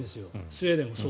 スウェーデンは。